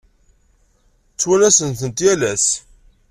Ttwanasen-tent yal ass.